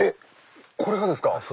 これがですか！